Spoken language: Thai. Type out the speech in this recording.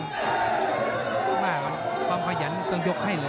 แม่ความขยันต้องยกให้เลย